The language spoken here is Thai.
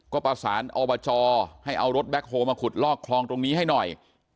ก็ประสานอบจให้เอารถแบ็คโฮลมาขุดลอกคลองตรงนี้ให้หน่อย